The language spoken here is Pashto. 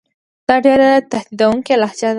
دا ډېره تهدیدوونکې لهجه وه.